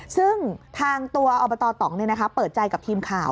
ซึ่งทางตัวอบตตองเปิดใจกับทีมข่าว